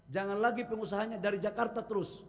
jangan lagi pengusahanya dari jakarta terus